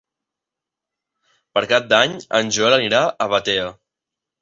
Per Cap d'Any en Joel anirà a Batea.